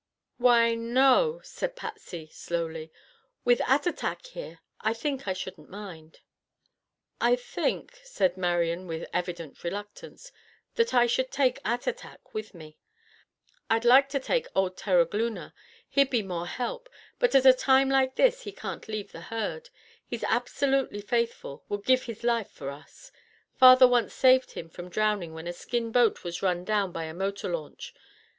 "Why, no," said Patsy slowly, "with Attatak here I think I shouldn't mind." "I think," said Marian with evident reluctance, "that I should take Attatak with me. I'd like to take old Terogloona. He'd be more help; but at a time like this he can't leave the herd. He's absolutely faithful—would give his life for us. Father once saved him from drowning when a skin boat was run down by a motor launch.